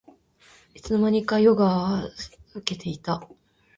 いつの間にか夜が更けていた